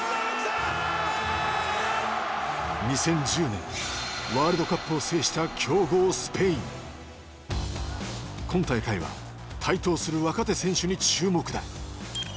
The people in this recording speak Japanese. ２０１０年ワールドカップを制した強豪今大会は台頭する若手選手に注目だ。